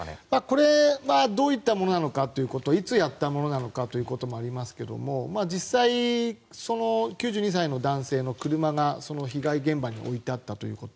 これはどういったものなのかいつやったのかというものもありますが実際、９２歳の男性の車が被害現場に置いてあったということ